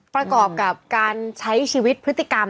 ประกอบกับการใช้ชีวิตพฤติกรรม